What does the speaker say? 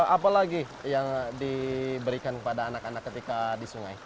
apa lagi yang diberikan kepada anak anak ketika disuruh